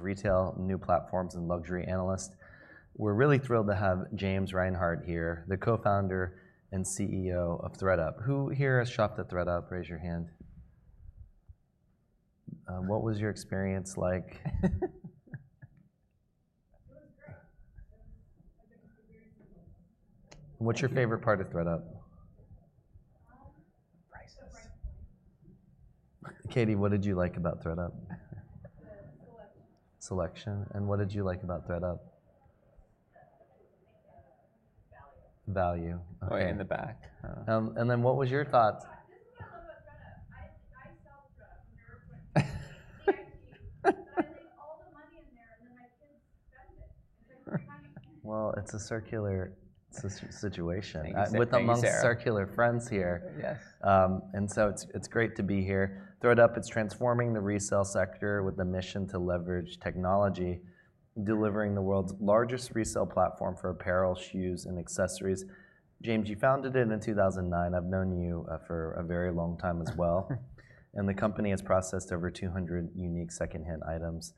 Retail, new platforms, and luxury analyst. We're really thrilled to have James Reinhart here, the co-founder and CEO of ThredUp. Who here has shopped at ThredUp? Raise your hand. What was your experience like? What's your favorite part of ThredUp? Katie, what did you like about ThredUp? Selection. What did you like about ThredUp? Value. Way in the back. What was your thought? It’s a circular situation. Thanks, Sam. With amongst circular friends here. Yes. It is great to be here. ThredUp is transforming the resale sector with a mission to leverage technology, delivering the world's largest resale platform for apparel, shoes, and accessories. James, you founded it in 2009. I've known you for a very long time as well. The company has processed over 200 unique second-hand items.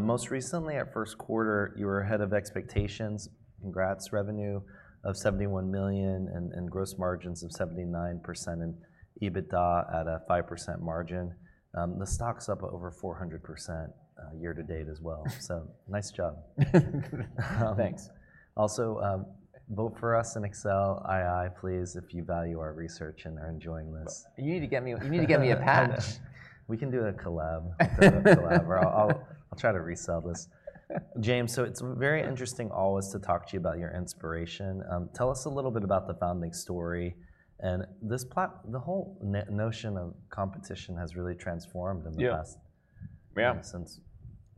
Most recently, at first quarter, you were ahead of expectations. Congrats. Revenue of $71 million and gross margins of 79%, and EBITDA at a 5% margin. The stock's up over 400% year to date as well. Nice job. Thanks. Also, vote for us in Excel II, please, if you value our research and are enjoying this. You need to get me a patch. We can do a collab. I'll try to resell this. James, so it's very interesting always to talk to you about your inspiration. Tell us a little bit about the founding story. The whole notion of competition has really transformed in the past. Yeah. Since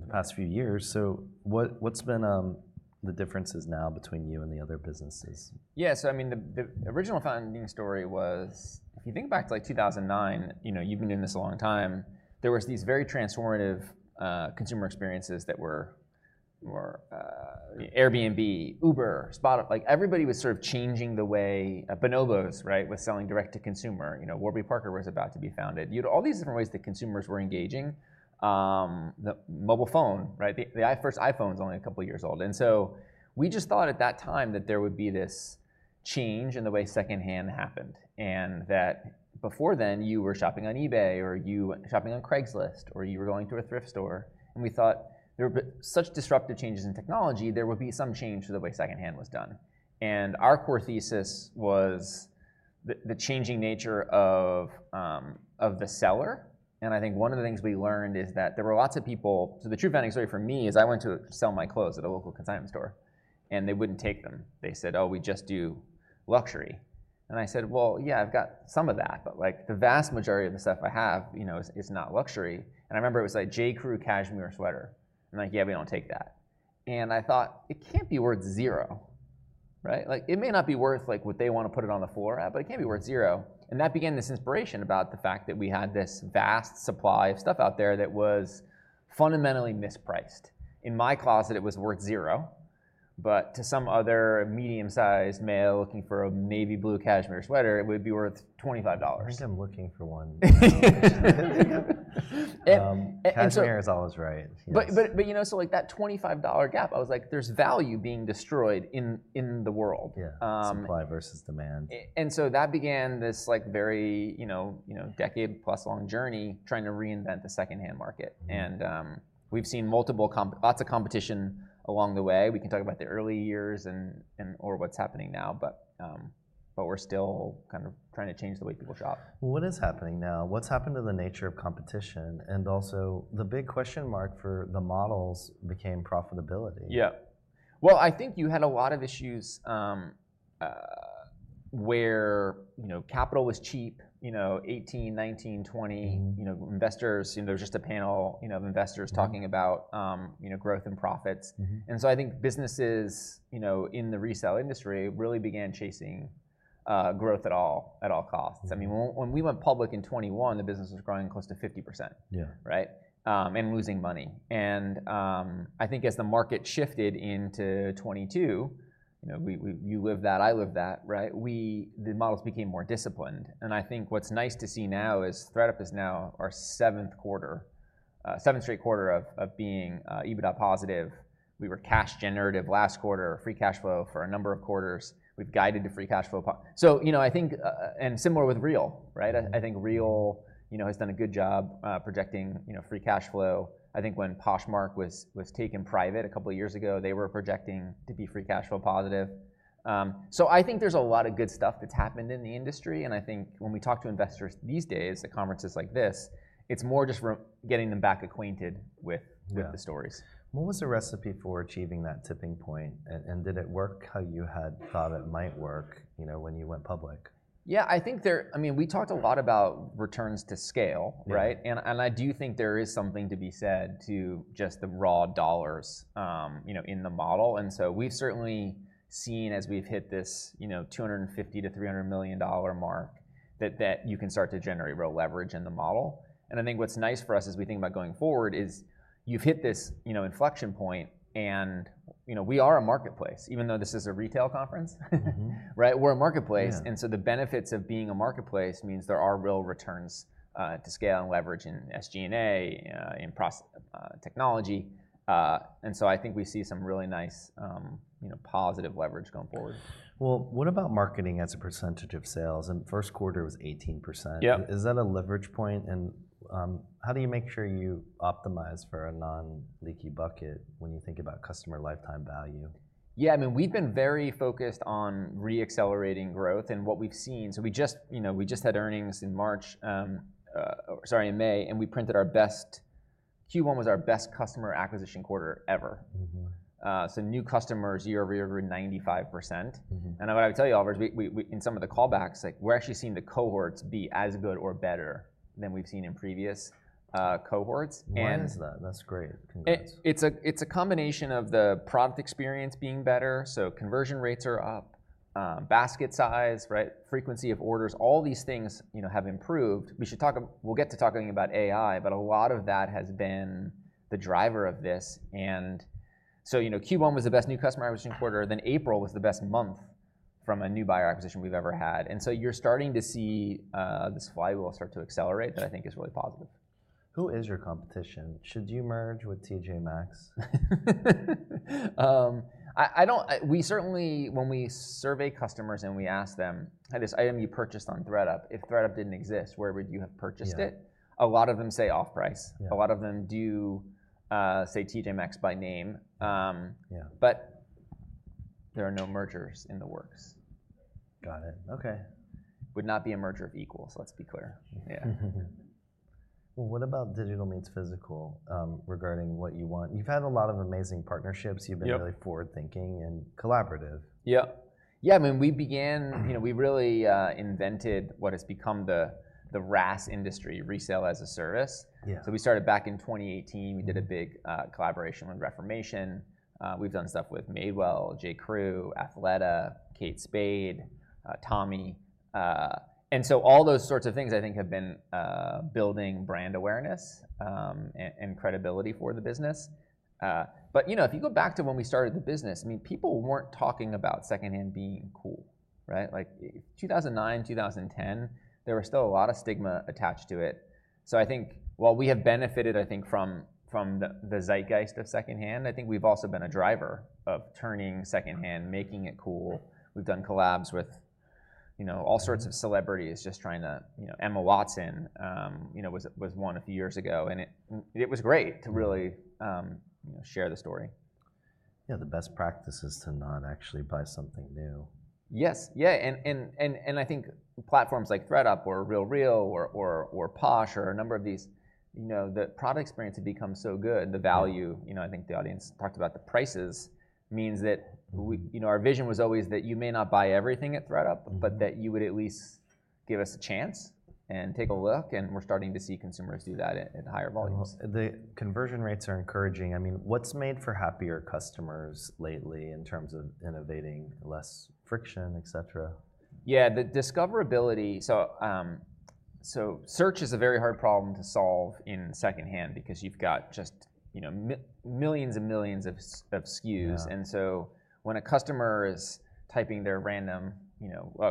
the past few years. What's been the differences now between you and the other businesses? Yeah. I mean, the original founding story was, if you think back to 2009, you've been doing this a long time, there were these very transformative consumer experiences that were Airbnb, Uber, SpotUp. Everybody was sort of changing the way Bonobos was selling direct to consumer. Warby Parker was about to be founded. You had all these different ways that consumers were engaging. The mobile phone, the first iPhone is only a couple of years old. We just thought at that time that there would be this change in the way second-hand happened, and that before then, you were shopping on eBay, or you were shopping on Craigslist, or you were going to a thrift store. We thought there were such disruptive changes in technology, there would be some change to the way second-hand was done. Our core thesis was the changing nature of the seller. I think one of the things we learned is that there were lots of people. The true founding story for me is I went to sell my clothes at a local consignment store, and they would not take them. They said, "Oh, we just do luxury." I said, "Yeah, I have some of that, but the vast majority of the stuff I have is not luxury." I remember it was like a J. Crew cashmere sweater. I am like, "Yeah, we do not take that." I thought, "It cannot be worth zero." It may not be worth what they want to put it on the floor at, but it cannot be worth zero. That began this inspiration about the fact that we had this vast supply of stuff out there that was fundamentally mispriced. In my closet, it was worth zero, but to some other medium-sized male looking for a navy blue cashmere sweater, it would be worth $25. I'm looking for one. Cashmere is always right. That $25 gap, I was like, "There's value being destroyed in the world. Yeah. Supply versus demand. That began this very decade-plus long journey trying to reinvent the second-hand market. We have seen lots of competition along the way. We can talk about the early years or what is happening now, but we are still kind of trying to change the way people shop. What is happening now? What has happened to the nature of competition? Also, the big question mark for the models became profitability. Yeah. I think you had a lot of issues where capital was cheap, 2018, 2019, 2020 investors. There was just a panel of investors talking about growth and profits. I think businesses in the resale industry really began chasing growth at all costs. I mean, when we went public in 2021, the business was growing close to 50% and losing money. I think as the market shifted into 2022, you lived that, I lived that, the models became more disciplined. I think what's nice to see now is ThredUp is now our seventh quarter, seventh straight quarter of being EBITDA positive. We were cash generative last quarter, free cash flow for a number of quarters. We've guided to free cash flow. I think, and similar with The RealReal, I think The RealReal has done a good job projecting free cash flow. I think when Poshmark was taken private a couple of years ago, they were projecting to be free cash flow positive. I think there's a lot of good stuff that's happened in the industry. I think when we talk to investors these days, at conferences like this, it's more just getting them back acquainted with the stories. What was the recipe for achieving that tipping point? Did it work how you had thought it might work when you went public? Yeah. I mean, we talked a lot about returns to scale. I do think there is something to be said to just the raw dollars in the model. We have certainly seen as we have hit this $250-$300 million mark that you can start to generate real leverage in the model. I think what is nice for us as we think about going forward is you have hit this inflection point, and we are a marketplace. Even though this is a retail conference, we are a marketplace. The benefits of being a marketplace mean there are real returns to scale and leverage in SG&A, in process technology. I think we see some really nice positive leverage going forward. What about marketing as a percentage of sales? And first quarter was 18%. Is that a leverage point? And how do you make sure you optimize for a non-leaky bucket when you think about customer lifetime value? Yeah. I mean, we've been very focused on re-accelerating growth. What we've seen, we just had earnings in March, sorry, in May, and we printed our best Q1, was our best customer acquisition quarter ever. New customers year-over-year grew 95%. What I would tell you all, in some of the callbacks, we're actually seeing the cohorts be as good or better than we've seen in previous cohorts. Why is that? That's great. It's a combination of the product experience being better. Conversion rates are up, basket size, frequency of orders, all these things have improved. We'll get to talking about AI, but a lot of that has been the driver of this. Q1 was the best new customer acquisition quarter, then April was the best month from a new buyer acquisition we've ever had. You're starting to see this flywheel start to accelerate that I think is really positive. Who is your competition? Should you merge with TJ Maxx? When we survey customers and we ask them, "Hey, this item you purchased on ThredUp, if ThredUp didn't exist, where would you have purchased it?" A lot of them say off price. A lot of them do say TJ Maxx by name. There are no mergers in the works. Got it. OK. Would not be a merger of equals, let's be clear. Yeah. What about digital meets physical regarding what you want? You've had a lot of amazing partnerships. You've been really forward-thinking and collaborative. Yeah. Yeah. I mean, we really invented what has become the RAS industry, resale as a service. So we started back in 2018. We did a big collaboration with Reformation. We've done stuff with Madewell, J. Crew, Athleta, Kate Spade, Tommy. And so all those sorts of things I think have been building brand awareness and credibility for the business. If you go back to when we started the business, I mean, people were not talking about second-hand being cool. 2009, 2010, there was still a lot of stigma attached to it. I think while we have benefited, I think, from the zeitgeist of second-hand, I think we've also been a driver of turning second-hand, making it cool. We've done collabs with all sorts of celebrities, just trying to—Emma Watson was one a few years ago. It was great to really share the story. Yeah. The best practice is to not actually buy something new. Yes. Yeah. I think platforms like ThredUp or The RealReal or Posh or a number of these, the product experience had become so good, the value, I think the audience talked about the prices, means that our vision was always that you may not buy everything at ThredUp, but that you would at least give us a chance and take a look. We are starting to see consumers do that at higher volumes. The conversion rates are encouraging. I mean, what's made for happier customers lately in terms of innovating, less friction, et cetera? Yeah. The discoverability. Search is a very hard problem to solve in second-hand because you've got just millions and millions of SKUs. When a customer is typing their random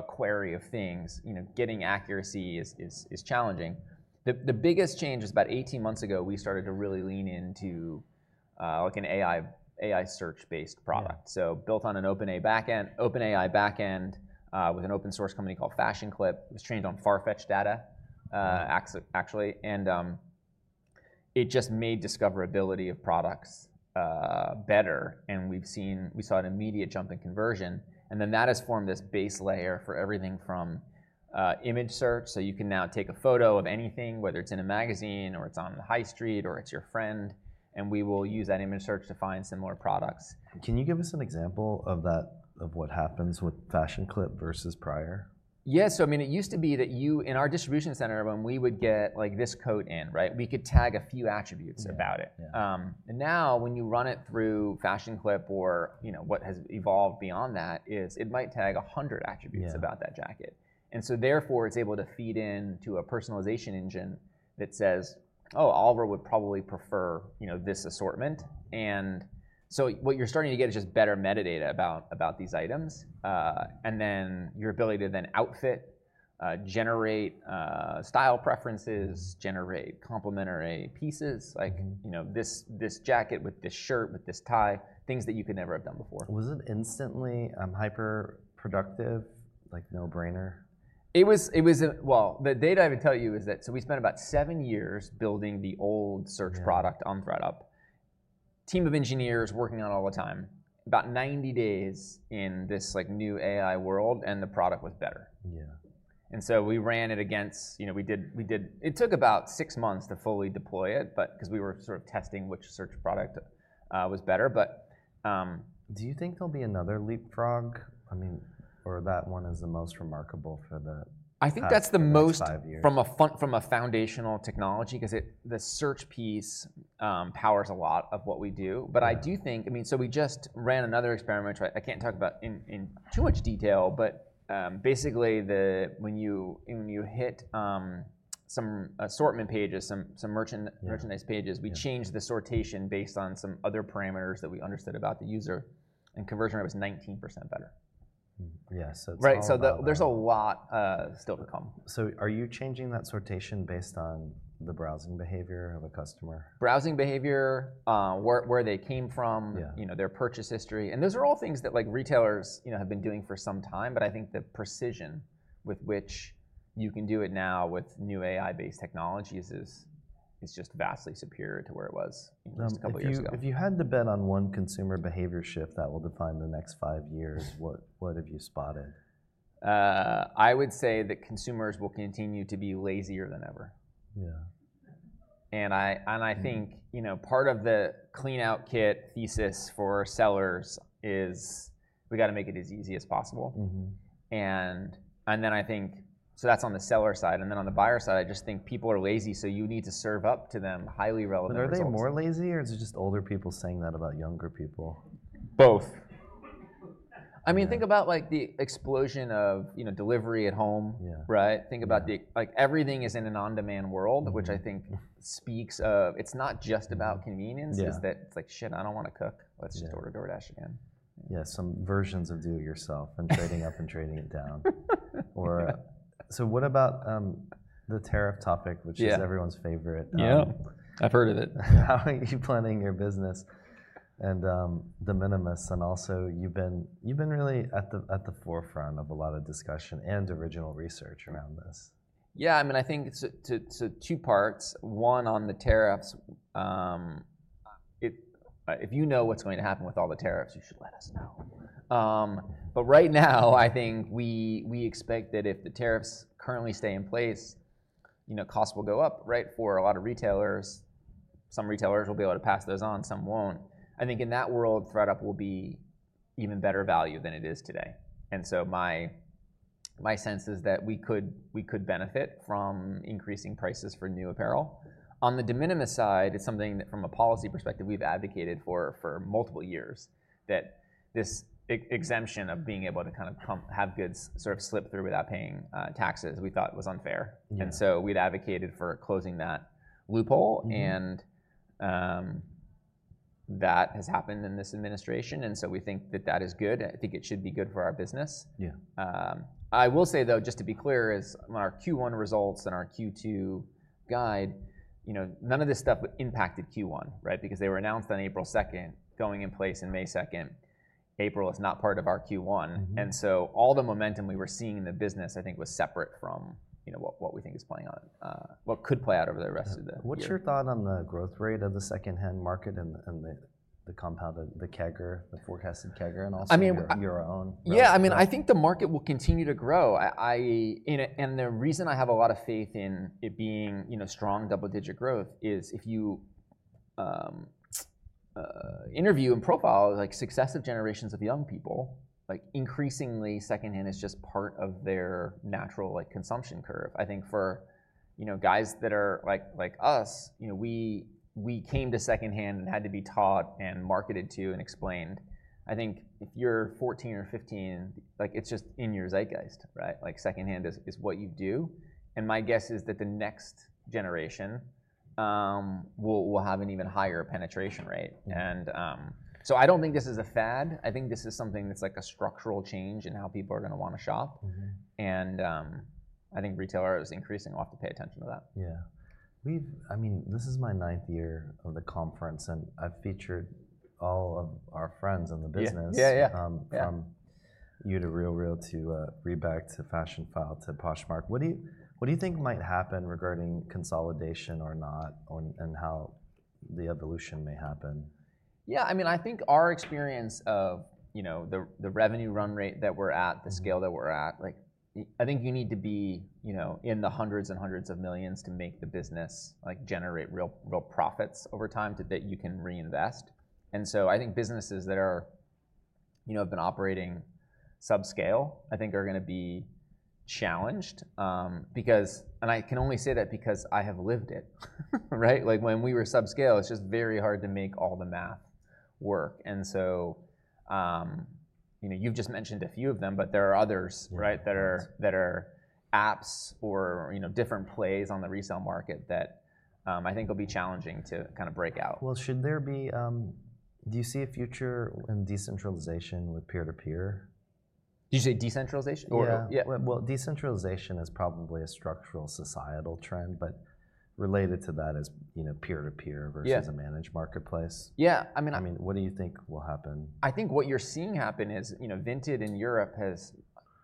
query of things, getting accuracy is challenging. The biggest change is about 18 months ago, we started to really lean into an AI search-based product. Built on an OpenAI backend with an open-source company called FashionClip. It was trained on Farfetch data, actually. It just made discoverability of products better. We saw an immediate jump in conversion. That has formed this base layer for everything from image search. You can now take a photo of anything, whether it's in a magazine, or it's on the high street, or it's your friend. We will use that image search to find similar products. Can you give us an example of what happens with FashionClip versus prior? Yeah. I mean, it used to be that in our distribution center, when we would get this coat in, we could tag a few attributes about it. Now when you run it through FashionClip or what has evolved beyond that, it might tag 100 attributes about that jacket. Therefore, it is able to feed into a personalization engine that says, "Oh, Oliver would probably prefer this assortment." What you are starting to get is just better metadata about these items. Your ability to then outfit, generate style preferences, generate complementary pieces, like this jacket with this shirt with this tie, things that you could never have done before. Was it instantly hyper-productive, like no-brainer? The data I would tell you is that we spent about seven years building the old search product on ThredUp. Team of engineers working on it all the time, about 90 days in this new AI world, and the product was better. Yeah. We ran it against it took about six months to fully deploy it because we were sort of testing which search product was better. Do you think there'll be another leapfrog? I mean, or that one is the most remarkable for the past five years? I think that's the most from a foundational technology because the search piece powers a lot of what we do. I do think, I mean, we just ran another experiment. I can't talk about it in too much detail, but basically, when you hit some assortment pages, some merchandise pages, we changed the sortation based on some other parameters that we understood about the user. Conversion rate was 19% better. Yeah. Right. So there's a lot still to come. Are you changing that sortation based on the browsing behavior of a customer? Browsing behavior, where they came from, their purchase history. Those are all things that retailers have been doing for some time. I think the precision with which you can do it now with new AI-based technologies is just vastly superior to where it was just a couple of years ago. If you had to bet on one consumer behavior shift that will define the next five years, what have you spotted? I would say that consumers will continue to be lazier than ever. Yeah. I think part of the clean-out kit thesis for sellers is we've got to make it as easy as possible. That is on the seller side. On the buyer side, I just think people are lazy, so you need to serve up to them highly relevant information. Are they more lazy, or is it just older people saying that about younger people? Both. I mean, think about the explosion of delivery at home. Think about everything is in an on-demand world, which I think speaks of it's not just about convenience. It's like, shit, I don't want to cook. Let's just order DoorDash again. Yeah. Some versions of do-it-yourself and trading up and trading it down. What about the tariff topic, which is everyone's favorite? Yeah. I've heard of it. How are you planning your business and the minimus? Also, you've been really at the forefront of a lot of discussion and original research around this. Yeah. I mean, I think it's two parts. One, on the tariffs, if you know what's going to happen with all the tariffs, you should let us know. Right now, I think we expect that if the tariffs currently stay in place, costs will go up for a lot of retailers. Some retailers will be able to pass those on. Some won't. I think in that world, ThredUp will be even better value than it is today. My sense is that we could benefit from increasing prices for new apparel. On the de minimis side, it's something that from a policy perspective, we've advocated for multiple years, that this exemption of being able to kind of have goods sort of slip through without paying taxes, we thought was unfair. We've advocated for closing that loophole. That has happened in this administration. We think that that is good. I think it should be good for our business. Yeah. I will say, though, just to be clear, our Q1 results and our Q2 guide, none of this stuff impacted Q1 because they were announced on April 2, going in place in May 2. April is not part of our Q1. All the momentum we were seeing in the business, I think, was separate from what we think is playing on what could play out over the rest of the year. What's your thought on the growth rate of the second-hand market and the CAGR, the forecasted CAGR, and also your own? Yeah. I mean, I think the market will continue to grow. The reason I have a lot of faith in it being strong double-digit growth is if you interview and profile successive generations of young people, increasingly second-hand is just part of their natural consumption curve. I think for guys that are like us, we came to second-hand and had to be taught and marketed to and explained. I think if you're 14 or 15, it's just in your zeitgeist. Second-hand is what you do. My guess is that the next generation will have an even higher penetration rate. I don't think this is a fad. I think this is something that's like a structural change in how people are going to want to shop. I think retailers increasingly will have to pay attention to that. Yeah. I mean, this is my ninth year of the conference. And I've featured all of our friends in the business, from you to The RealReal to Rebag to Fashionphile to Poshmark. What do you think might happen regarding consolidation or not, and how the evolution may happen? Yeah. I mean, I think our experience of the revenue run rate that we're at, the scale that we're at, I think you need to be in the hundreds and hundreds of millions to make the business generate real profits over time so that you can reinvest. I think businesses that have been operating subscale, I think, are going to be challenged. I can only say that because I have lived it. When we were subscale, it's just very hard to make all the math work. You've just mentioned a few of them, but there are others that are apps or different plays on the resale market that I think will be challenging to kind of break out. Should there be do you see a future in decentralization with peer-to-peer? Did you say decentralization? Yeah. Decentralization is probably a structural societal trend. Related to that is peer-to-peer versus a managed marketplace. Yeah. I mean. I mean, what do you think will happen? I think what you're seeing happen is Vinted in Europe has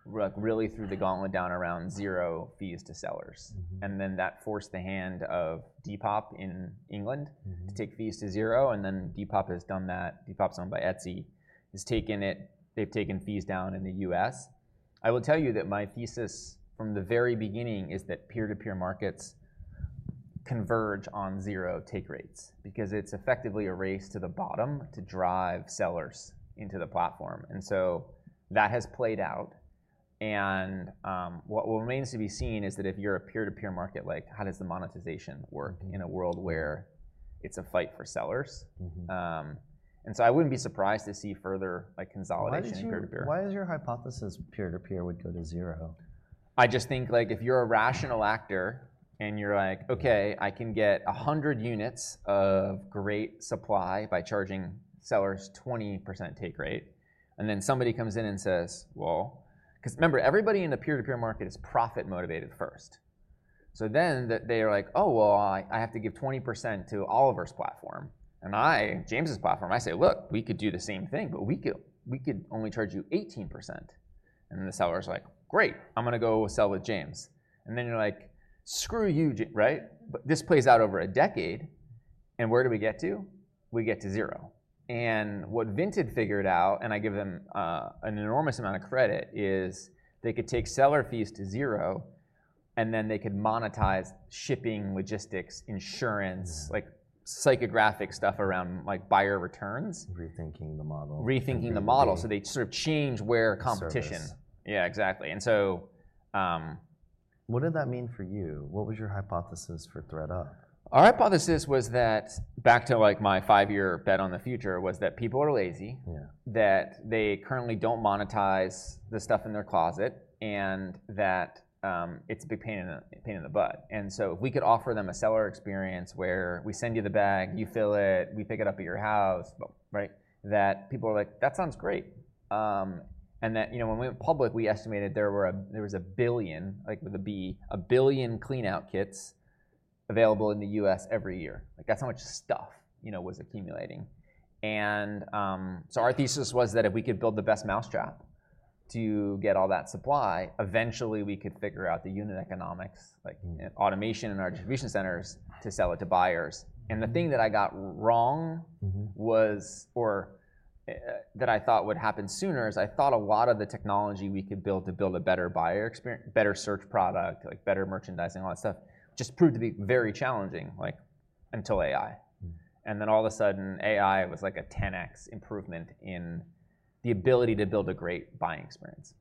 really thrown the gauntlet down around zero fees to sellers. That forced the hand of Depop in England to take fees to zero. Depop has done that. Depop's owned by Etsy. They've taken fees down in the U.S. I will tell you that my thesis from the very beginning is that peer-to-peer markets converge on zero take rates because it's effectively a race to the bottom to drive sellers into the platform. That has played out. What remains to be seen is that if you're a peer-to-peer market, how does the monetization work in a world where it's a fight for sellers? I wouldn't be surprised to see further consolidation in peer-to-peer. Why is your hypothesis peer-to-peer would go to zero? I just think if you're a rational actor and you're like, OK, I can get 100 units of great supply by charging sellers 20% take rate. Then somebody comes in and says, because remember, everybody in the peer-to-peer market is profit motivated first. They are like, oh, I have to give 20% to Oliver's platform. I, James's platform, I say, look, we could do the same thing, but we could only charge you 18%. The seller's like, great. I'm going to go sell with James. You're like, screw you. This plays out over a decade. Where do we get to? We get to zero. What Vinted figured out, and I give them an enormous amount of credit, is they could take seller fees to zero, and then they could monetize shipping, logistics, insurance, psychographic stuff around buyer returns. Rethinking the model. Rethinking the model. They sort of change where competition. Sources. Yeah, exactly. And so. What did that mean for you? What was your hypothesis for ThredUp? Our hypothesis was that, back to my five-year bet on the future, was that people are lazy, that they currently do not monetize the stuff in their closet, and that it is a big pain in the butt. If we could offer them a seller experience where we send you the bag, you fill it, we pick it up at your house, people are like, that sounds great. When we went public, we estimated there was a billion, with a B, a billion clean-out kits available in the U.S. every year. That is how much stuff was accumulating. Our thesis was that if we could build the best mousetrap to get all that supply, eventually, we could figure out the unit economics, automation in our distribution centers, to sell it to buyers. The thing that I got wrong was, or that I thought would happen sooner, is I thought a lot of the technology we could build to build a better buyer experience, better search product, better merchandising, all that stuff, just proved to be very challenging until AI. All of a sudden, AI was like a 10x improvement in the ability to build a great buying experience.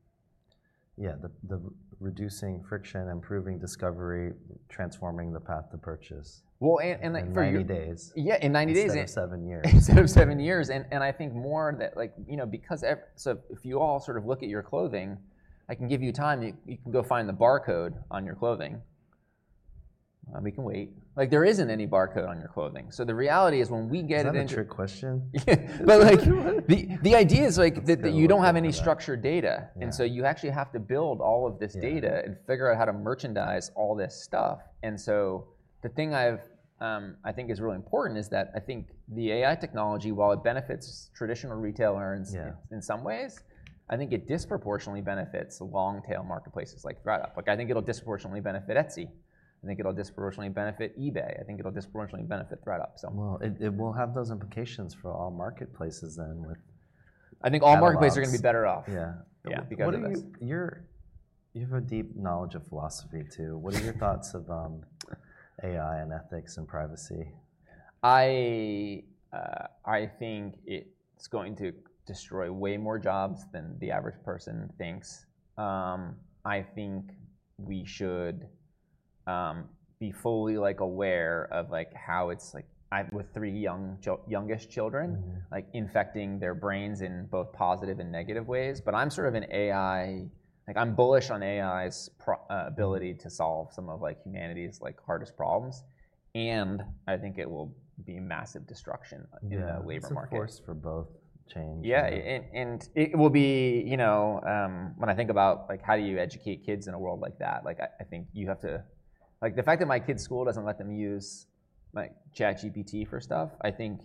Yeah. The reducing friction, improving discovery, transforming the path to purchase. And for you. In 90 days. Yeah, in 90 days. Instead of seven years. Instead of seven years. I think more that because if you all sort of look at your clothing, I can give you time. You can go find the barcode on your clothing. We can wait. There isn't any barcode on your clothing. The reality is when we get into. Is that a trick question? Yeah. The idea is that you don't have any structured data. You actually have to build all of this data and figure out how to merchandise all this stuff. The thing I think is really important is that I think the AI technology, while it benefits traditional retailers in some ways, I think it disproportionately benefits long-tail marketplaces like ThredUp. I think it'll disproportionately benefit Etsy. I think it'll disproportionately benefit eBay. I think it'll disproportionately benefit ThredUp. It will have those implications for all marketplaces then. I think all marketplaces are going to be better off. Yeah. You have a deep knowledge of philosophy, too. What are your thoughts of AI and ethics and privacy? I think it's going to destroy way more jobs than the average person thinks. I think we should be fully aware of how it's with three youngest children, infecting their brains in both positive and negative ways. I'm sort of an AI, I'm bullish on AI's ability to solve some of humanity's hardest problems. I think it will be massive destruction in the labor market. It's a force for both chains. Yeah. It will be when I think about how do you educate kids in a world like that, I think you have to. The fact that my kid's school doesn't let them use ChatGPT for stuff, I think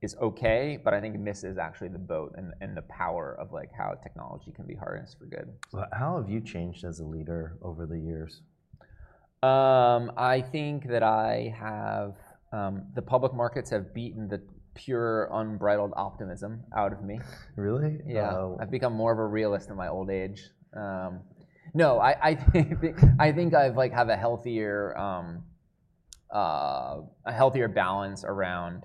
is OK. I think it misses actually the boat and the power of how technology can be harnessed for good. How have you changed as a leader over the years? I think that the public markets have beaten the pure unbridled optimism out of me. Really? Yeah. I've become more of a realist in my old age. No, I think I have a healthier balance around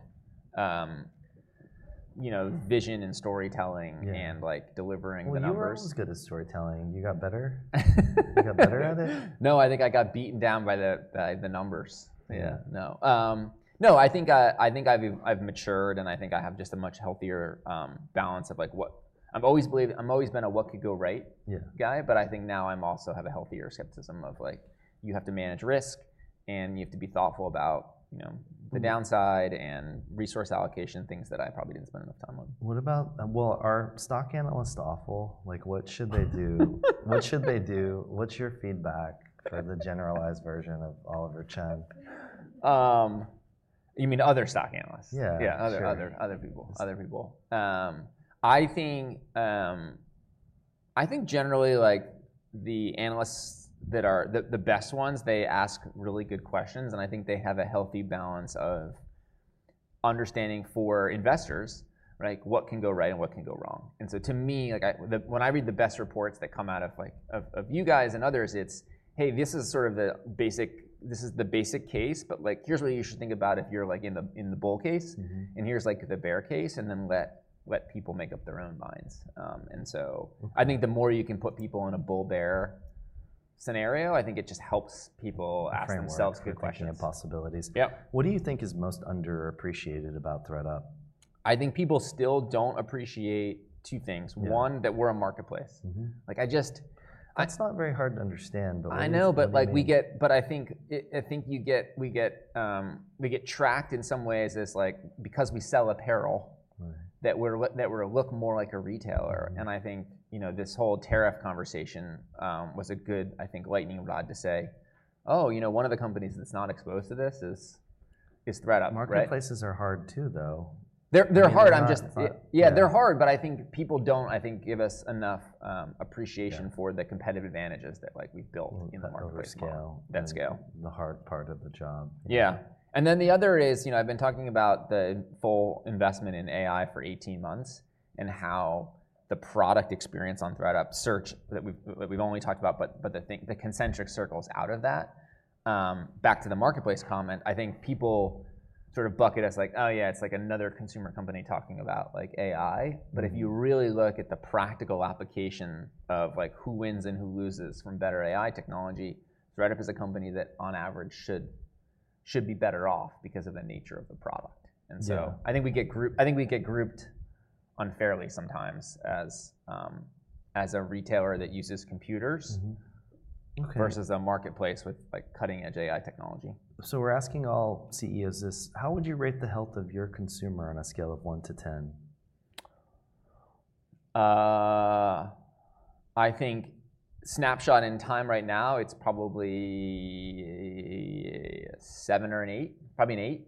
vision and storytelling and delivering the numbers. I mean, you were always good at storytelling. You got better at it? No, I think I got beaten down by the numbers. Yeah. No. No, I think I've matured. I think I have just a much healthier balance of what I've always been a what could go right guy. I think now I also have a healthier skepticism of you have to manage risk. You have to be thoughtful about the downside and resource allocation, things that I probably did not spend enough time on. What about, are stock analysts awful? What should they do? What should they do? What's your feedback for the generalized version of Oliver Chen? You mean other stock analysts? Yeah. Yeah, other people. Other people. I think generally, the analysts that are the best ones, they ask really good questions. I think they have a healthy balance of understanding for investors what can go right and what can go wrong. To me, when I read the best reports that come out of you guys and others, it is, hey, this is sort of the basic, this is the basic case. Here is what you should think about if you are in the bull case. Here is the bear case. Let people make up their own minds. I think the more you can put people in a bull-bear scenario, I think it just helps people ask themselves good questions. Frame them with opportunity and possibilities. Yeah. What do you think is most underappreciated about ThredUp? I think people still don't appreciate two things. One, that we're a marketplace. I just. That's not very hard to understand, but we're a marketplace. I know. I think we get tracked in some ways because we sell apparel, that we look more like a retailer. I think this whole tariff conversation was a good, I think, lightning rod to say, oh, you know one of the companies that's not exposed to this is ThredUp. Marketplaces are hard, too, though. They're hard. Yeah, they're hard. I think people don't, I think, give us enough appreciation for the competitive advantages that we've built in the marketplace. Oh, the scale. That scale. The hard part of the job. Yeah. And then the other is I've been talking about the full investment in AI for 18 months and how the product experience on ThredUp, search that we've only talked about, but the concentric circles out of that. Back to the marketplace comment, I think people sort of bucket us like, oh, yeah, it's like another consumer company talking about AI. If you really look at the practical application of who wins and who loses from better AI technology, ThredUp is a company that, on average, should be better off because of the nature of the product. I think we get grouped unfairly sometimes as a retailer that uses computers versus a marketplace with cutting-edge AI technology. We're asking all CEOs this. How would you rate the health of your consumer on a scale of 1 to 10? I think snapshot in time right now, it's probably a 7 or an 8, probably an 8.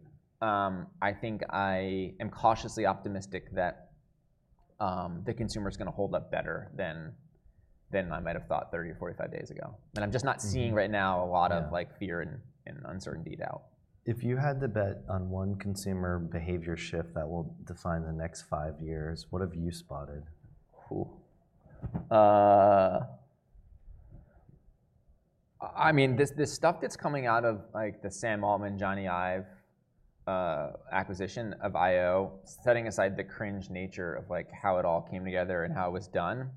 I think I am cautiously optimistic that the consumer is going to hold up better than I might have thought 30 or 45 days ago. I am just not seeing right now a lot of fear and uncertainty doubt. If you had to bet on one consumer behavior shift that will define the next five years, what have you spotted? I mean, the stuff that's coming out of the Sam Altman, Jony Ive acquisition of I/O, setting aside the cringe nature of how it all came together and how it was done,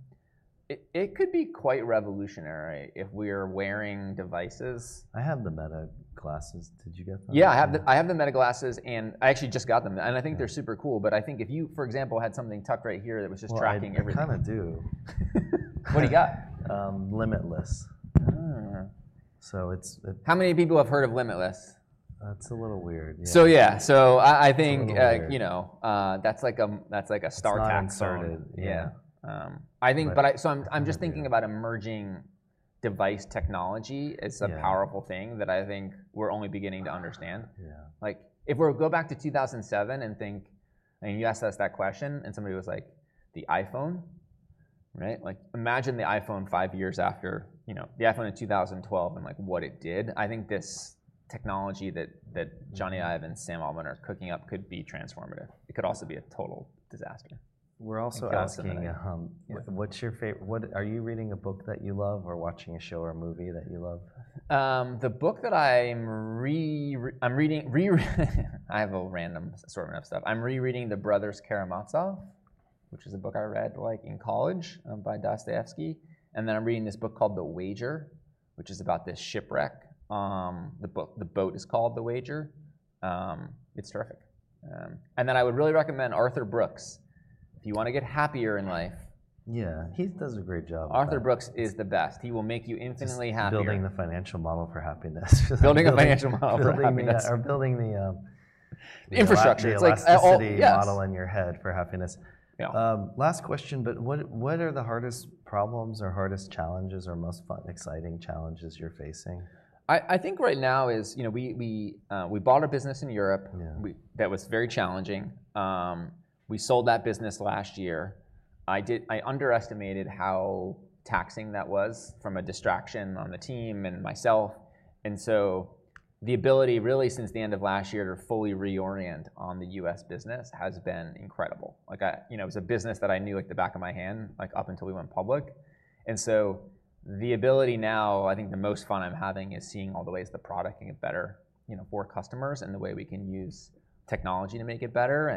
it could be quite revolutionary if we are wearing devices. I have the Meta glasses. Did you get them? Yeah, I have the Meta glasses. I actually just got them. I think they're super cool. I think if you, for example, had something tucked right here that was just tracking everything. Oh, you kind of do. What do you got? Limitless. So it's. How many people have heard of Limitless? That's a little weird. Yeah. I think that's like a startup. It's uncharted. Yeah. Yeah. I'm just thinking about emerging device technology. It's a powerful thing that I think we're only beginning to understand. If we go back to 2007 and think, and you asked us that question, and somebody was like, the iPhone, right? Imagine the iPhone five years after the iPhone in 2012 and what it did. I think this technology that Jony Ive and Sam Altman are cooking up could be transformative. It could also be a total disaster. We're also asking what are you reading, a book that you love, or watching a show or a movie that you love? The book that I'm reading, I have a random assortment of stuff. I'm rereading "The Brothers Karamazov," which is a book I read in college by Dostoyevsky. I am reading this book called "The Wager," which is about this shipwreck. The boat is called "The Wager." It's terrific. I would really recommend Arthur Brooks if you want to get happier in life. Yeah, he does a great job. Arthur Brooks is the best. He will make you infinitely happy. He's building the financial model for happiness. Building the financial model for happiness. Or building the. Infrastructure. The city model in your head for happiness. Last question, but what are the hardest problems or hardest challenges or most exciting challenges you're facing? I think right now is we bought a business in Europe that was very challenging. We sold that business last year. I underestimated how taxing that was from a distraction on the team and myself. The ability, really, since the end of last year to fully reorient on the US business has been incredible. It was a business that I knew at the back of my hand up until we went public. The ability now, I think the most fun I'm having is seeing all the ways the product can get better for customers and the way we can use technology to make it better.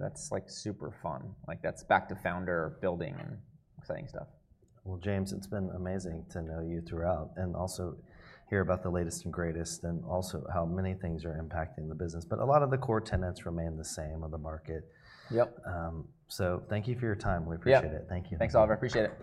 That's super fun. That's back to founder building and exciting stuff. James, it's been amazing to know you throughout and also hear about the latest and greatest and also how many things are impacting the business. A lot of the core tenets remain the same of the market. Yep. Thank you for your time. We appreciate it. Yeah. Thank you. Thanks, Oliver. Appreciate it.